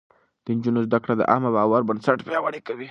د نجونو زده کړه د عامه باور بنسټ پياوړی کوي.